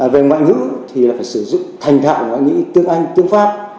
về ngoại hữu thì phải sử dụng thành thạo của nghĩa tương anh tương pháp